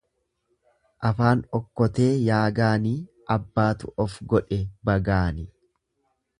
Afaan okkotee yaa gaanii abbaatu of godhe bagaani.